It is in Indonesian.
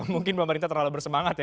mungkin pemerintah terlalu bersemangat ya